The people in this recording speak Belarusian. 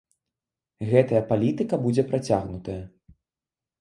Гэтая палітыка будзе працягнутая.